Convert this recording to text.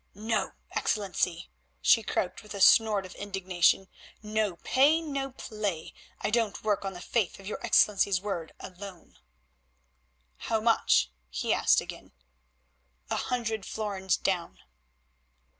"No, Excellency," she croaked with a snort of indignation, "no pay, no play; I don't work on the faith of your Excellency's word alone." "How much?" he asked again. "A hundred florins down."